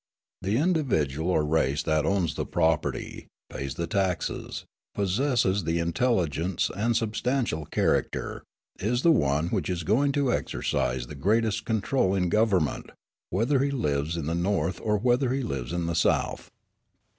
The individual or race that owns the property, pays the taxes, possesses the intelligence and substantial character, is the one which is going to exercise the greatest control in government, whether he lives in the North or whether he lives in the South.